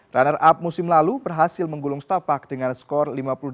runner up musim lalu berhasil menggulung stapak dengan skor lima puluh delapan lima puluh